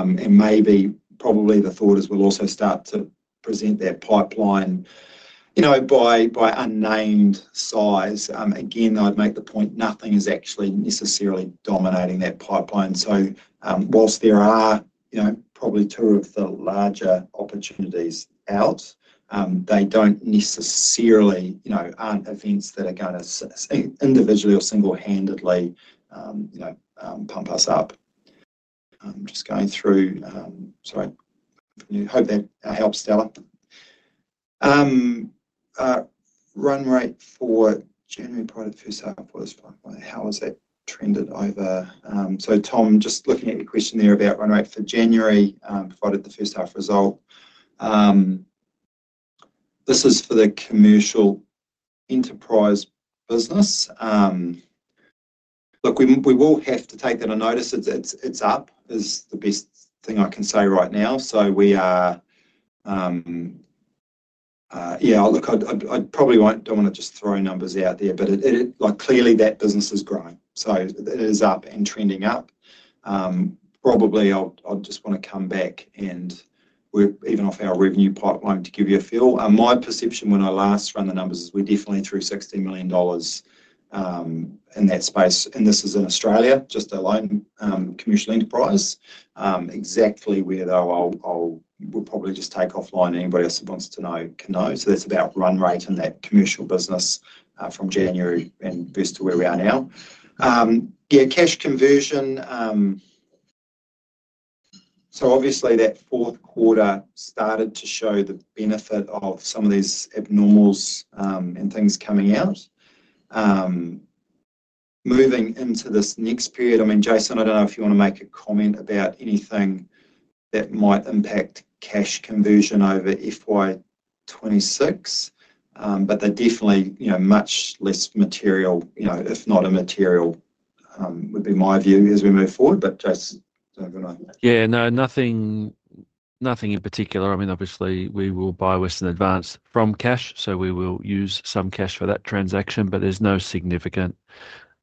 Maybe the thought is we'll also start to present that pipeline by unnamed size. Again, I'd make the point nothing is actually necessarily dominating that pipeline. Whilst there are probably two of the larger opportunities out, they don't necessarily, aren't events that are going to individually or single-handedly pump us up. I'm just going through, I hope that helps Stella. Run rate for January product first startup for this pipeline. How has that trended over? Tom, just looking at your question there about run rate for January provided the first out of result. This is for the commercial enterprise business. We will have to take that a notice. It's up is the best thing I can say right now. We are, I probably don't want to just throw numbers out there, but clearly that business is growing. It is up and trending up. Probably I'll just want to come back and work even off our revenue pipeline to give you a feel. My perception when I last run the numbers is we're definitely through $16 million in that space. This is in Australia, just a lone commercial enterprise. Exactly where though I'll probably just take offline. Anybody else that wants to know can know. That's about run rate in that commercial business from January and versus where we are now. Cash conversion, obviously that fourth quarter started to show the benefit of some of these abnormals and things coming out. Moving into this next period, I mean, Jason, I don't know if you want to make a comment about anything that might impact cash conversion over FY2026, but they're definitely much less material, if not immaterial would be my view as we move forward. Just, I don't know. Yeah, nothing in particular. I mean, obviously we will buy Western Advance from cash, so we will use some cash for that transaction, but there's no significant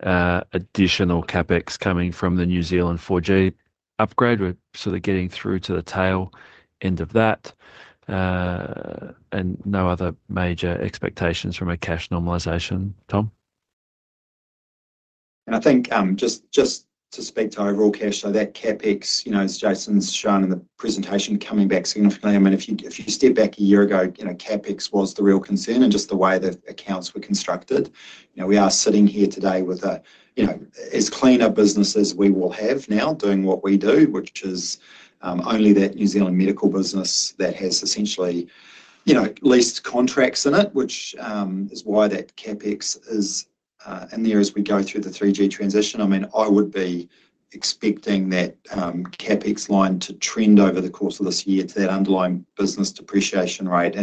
additional CapEx coming from the New Zealand 4G upgrade. We're sort of getting through to the tail end of that, and no other major expectations from a cash normalization, Tom. I think just to speak to overall cash, that CapEx, as Jason's shown in the presentation, is coming back significantly. If you step back a year ago, CapEx was the real concern and just the way the accounts were constructed. We are sitting here today with as clean a business as we will have now doing what we do, which is only that New Zealand medical business that has essentially leased contracts in it, which is why that CapEx is in there as we go through the 3G transition. I would be expecting that CapEx line to trend over the course of this year to that underlying business depreciation rate.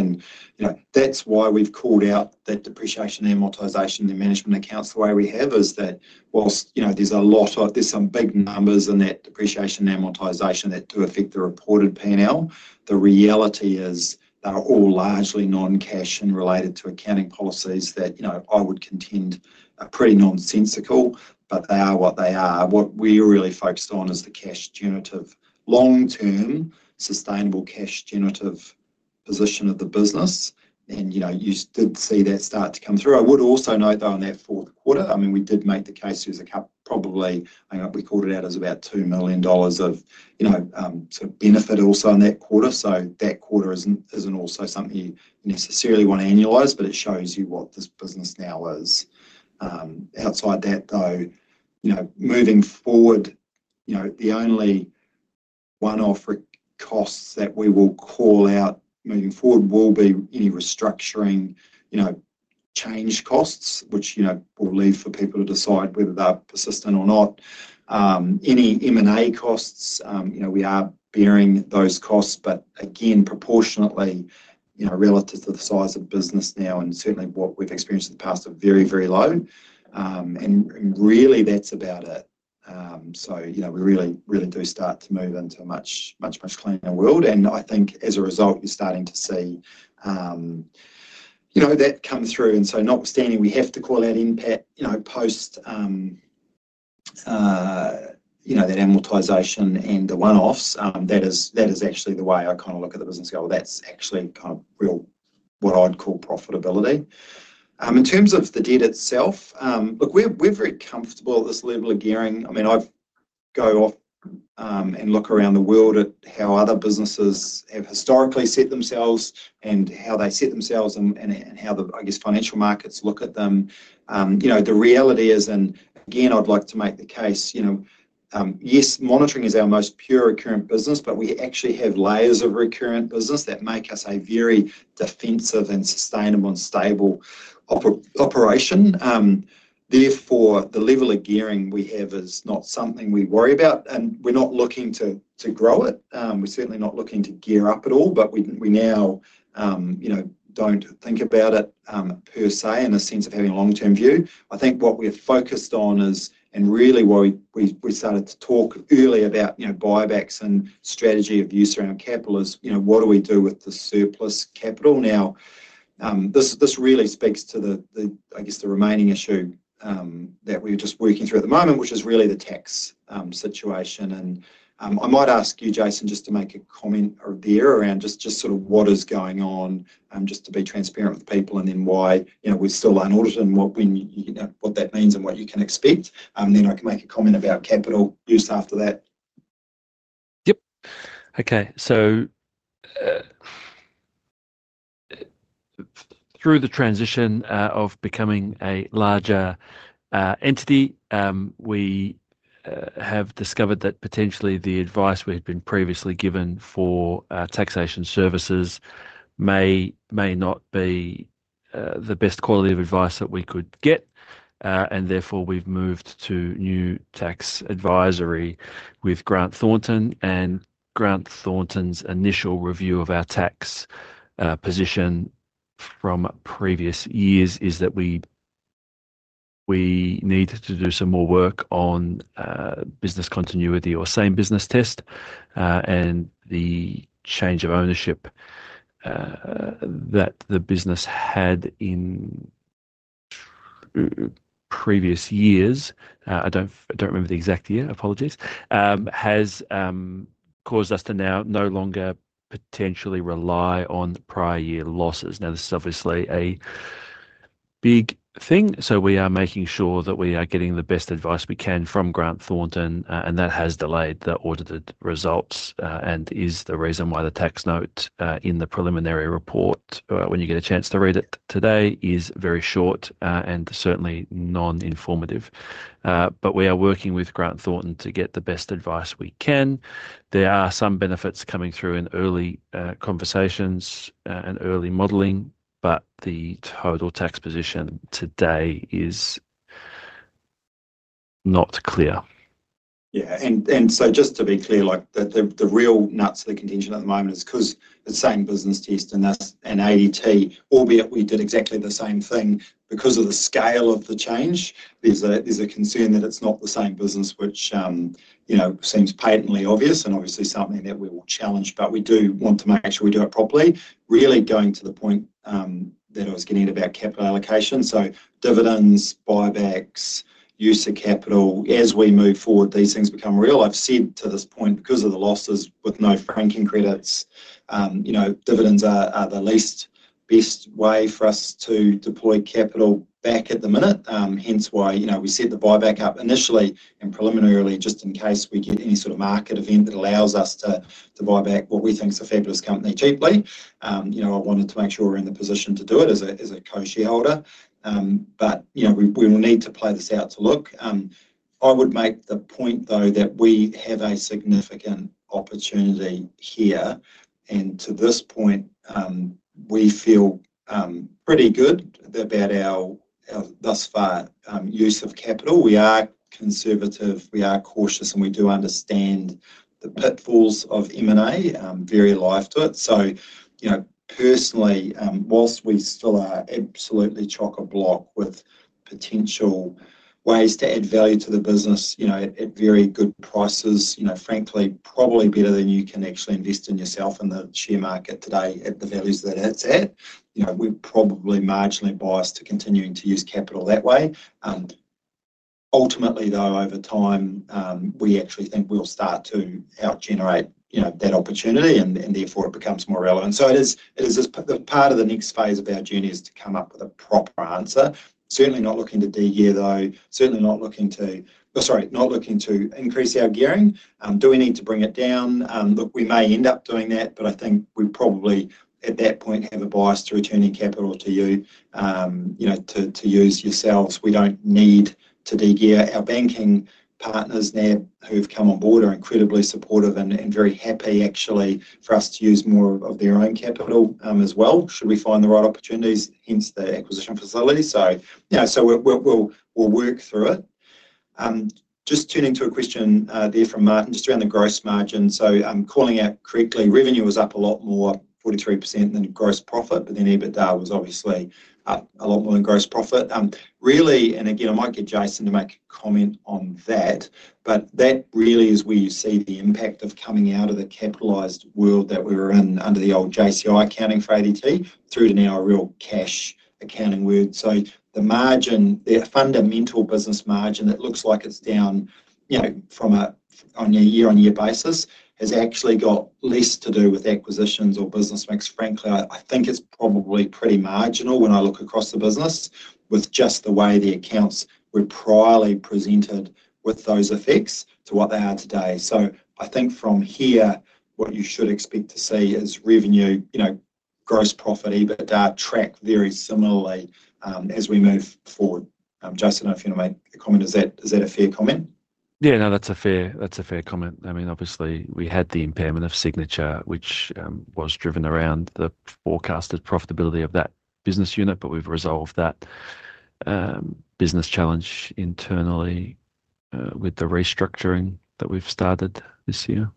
That's why we've called out that depreciation amortization and management accounts. The way we have is that whilst there's a lot of, there's some big numbers in that depreciation amortization that do affect the reported P&L, the reality is they're all largely non-cash and related to accounting policies that I would contend are pretty nonsensical, but they are what they are. What we're really focused on is the cash generative long-term sustainable cash generative position of the business. You did see that start to come through. I would also note though on that fourth quarter, we did make the case to use a cup probably, I don't know, we called it out as about $2 million of sort of benefit also in that quarter. That quarter isn't also something you necessarily want to annualize, but it shows you what this business now is. Outside that though, moving forward, the only one-off costs that we will call out moving forward will be any restructuring, change costs, which will leave for people to decide whether they're persistent or not. Any M&A costs, we are bearing those costs, but again, proportionately, relative to the size of the business now and certainly what we've experienced in the past are very, very low. That's about it. We really, really do start to move into a much, much, much cleaner world. I think as a result, you're starting to see that come through. Notwithstanding, we have to call out impact post that amortization and the one-offs. That is actually the way I kind of look at the business. That's actually kind of real what I'd call profitability. In terms of the debt itself, look, we're very comfortable at this level of gearing. I mean, I go off and look around the world at how other businesses have historically set themselves and how they set themselves and how the, I guess, financial markets look at them. The reality is, and again, I'd like to make the case, yes, monitoring is our most pure recurrent business, but we actually have layers of recurrent business that make us a very defensive and sustainable and stable operation. Therefore, the level of gearing we have is not something we worry about. We're not looking to grow it. We're certainly not looking to gear up at all, but we now don't think about it per se in a sense of having a long-term view. I think what we're focused on is, and really what we started to talk early about, buybacks and strategy of use around capital is, what do we do with the surplus capital? This really speaks to the, I guess, the remaining issue that we're just working through at the moment, which is really the tax situation. I might ask you, Jason, just to make a comment there around just sort of what is going on, just to be transparent with people and then why we're still on audit and what that means and what you can expect. I can make a comment about capital use after that. Yep. Okay. Through the transition of becoming a larger entity, we have discovered that potentially the advice we had been previously given for taxation services may not be the best quality of advice that we could get. Therefore, we've moved to new tax advisory with Grant Thornton. Grant Thornton's initial review of our tax position from previous years is that we need to do some more work on business continuity or same business test and the change of ownership that the business had in previous years. I don't remember the exact year, apologies, has caused us to now no longer potentially rely on prior year losses. This is obviously a big thing. We are making sure that we are getting the best advice we can from Grant Thornton, and that has delayed the audited results and is the reason why the tax note in the preliminary report, when you get a chance to read it today, is very short and certainly non-informative. We are working with Grant Thornton to get the best advice we can. There are some benefits coming through in early conversations and early modeling, but the total tax position today is not clear. Yeah. Just to be clear, the real nuts of the contingent at the moment is because the same business test and that's an ADT, albeit we did exactly the same thing because of the scale of the change, there's a concern that it's not the same business, which seems patently obvious and obviously something that we will challenge, but we do want to make sure we do it properly. Really going to the point that I was getting about capital allocation. Dividends, buybacks, use of capital, as we move forward, these things become real. I've said to this point because of the losses with no franking credits, dividends are the least best way for us to deploy capital back at the minute. Hence why we set the buyback up initially and preliminarily just in case we get any sort of market event that allows us to buy back what we think is a fabulous company cheaply. I wanted to make sure we're in the position to do it as a co-shareholder, but we will need to play this out to look. I would make the point though that we have a significant opportunity here, and to this point, we feel pretty good about our thus far use of capital. We are conservative, we are cautious, and we do understand the pitfalls of M&A, very alive to it. Personally, whilst we still are absolutely chock-a-block with potential ways to add value to the business at very good prices, frankly, probably better than you can actually invest in yourself in the share market today at the values that it's at, we're probably marginally biased to continuing to use capital that way. Ultimately, though, over time, we actually think we'll start to out-generate that opportunity, and therefore it becomes more relevant. It is just part of the next phase of our journey is to come up with a proper answer. Certainly not looking to de-gear though, certainly not looking to, sorry, not looking to increase our gearing. Do we need to bring it down? Look, we may end up doing that, but I think we'd probably, at that point, have a bias to returning capital to you, to use yourselves. We don't need to de-gear. Our banking partners now who've come on board are incredibly supportive and very happy, actually, for us to use more of their own capital as well, should we find the right opportunities, hence the acquisition facility. We'll work through it. Just turning to a question there from Martin, just around the gross margin. I'm calling out correctly, revenue was up a lot more, 43%, than gross profit, but then EBITDA was obviously a lot more than gross profit. Really, and again, I might get Jason to make a comment on that, but that really is where you see the impact of coming out of the capitalized world that we were in under the old JCOI accounting for ADT through to now a real cash accounting world. The margin, the fundamental business margin that looks like it's down, you know, from a year-on-year basis has actually got less to do with acquisitions or business mix. Frankly, I think it's probably pretty marginal when I look across the business with just the way the accounts were priorly presented with those effects to what they are today. I think from here, what you should expect to see is revenue, gross profit, EBITDA tracked very similarly as we move forward. Jason, I feel to make a comment, is that a fair comment? Yeah, no, that's a fair comment. I mean, obviously we had the impairment of Signature, which was driven around the forecasted profitability of that business unit, but we've resolved that business challenge internally with the restructuring that we've started this year.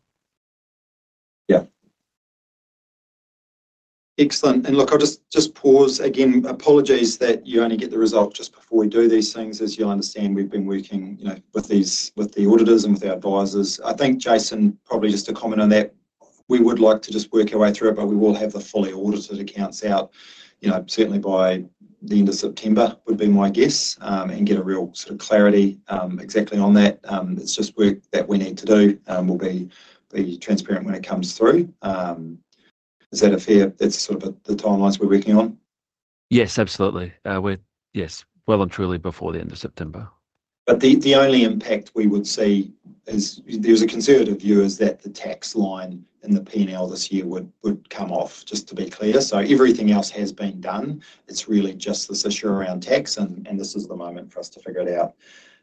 Excellent. I'll just pause again. Apologies that you only get the result just before we do these things. As you understand, we've been working with the auditors and with our advisors. I think, Jason, probably just to comment on that, we would like to just work our way through it, but we will have the fully audited accounts out certainly by the end of September would be my guess and get a real sort of clarity exactly on that. It's just work that we need to do. We'll be transparent when it comes through. Is that fair? That's sort of the timelines we're working on? Yes, absolutely. Yes, well and truly before the end of September. The only impact we would see is there's a conservative view that the tax line in the P&L this year would come off, just to be clear. Everything else has been done. It's really just this issue around tax and this is the moment for us to figure it out.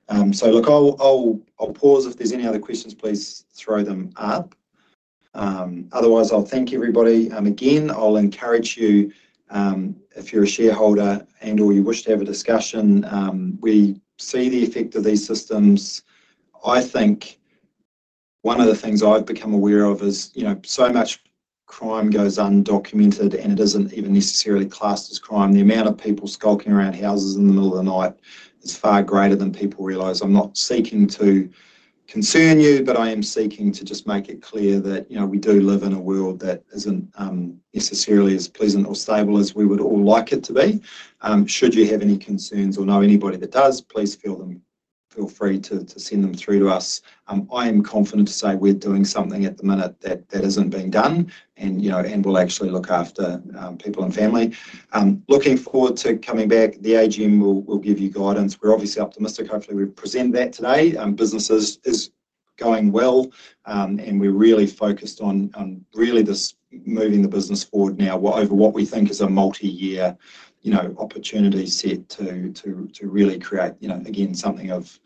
I'll pause. If there's any other questions, please throw them up. Otherwise, I'll thank everybody again. I'll encourage you, if you're a shareholder and/or you wish to have a discussion, we see the effect of these systems. I think one of the things I've become aware of is, you know, so much crime goes undocumented and it isn't even necessarily classed as crime. The amount of people skulking around houses in the middle of the night is far greater than people realize. I'm not seeking to concern you, but I am seeking to just make it clear that, you know, we do live in a world that isn't necessarily as pleasant or stable as we would all like it to be. Should you have any concerns or know anybody that does, please feel free to send them through to us. I am confident to say we're doing something at the minute that isn't being done and, you know, and will actually look after people and family. Looking forward to coming back. The AGM will give you guidance. We're obviously optimistic. Hopefully, we present that today. Business is going well and we're really focused on really just moving the business forward now over what we think is a multi-year, you know, opportunity set to really create, you know, again, something of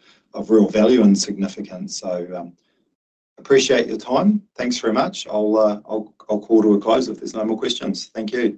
real value and significant. I appreciate your time. Thanks very much. I'll call to a close if there's no more questions. Thank you.